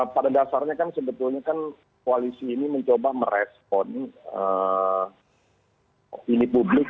pada dasarnya kan sebetulnya kan koalisi ini mencoba merespon opini publik